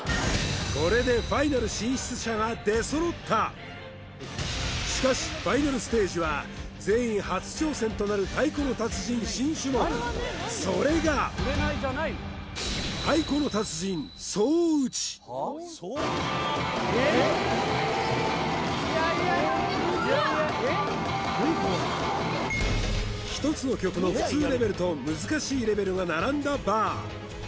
これでファイナル進出者が出揃ったしかしファイナルステージは全員初挑戦となる太鼓の達人新種目それが１つの曲の普通レベルと難しいレベルが並んだバー